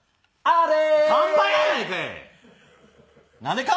「あれ！」